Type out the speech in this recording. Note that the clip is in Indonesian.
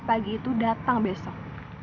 pagi itu datang besok